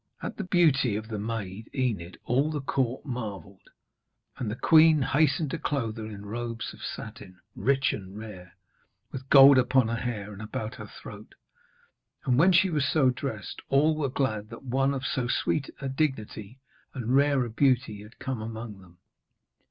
At the beauty of the maid Enid all the court marvelled; and the queen hastened to clothe her in robes of satin, rich and rare, with gold upon her hair and about her throat. And when she was so dressed, all were glad that one of so sweet a dignity and rare a beauty had come among them.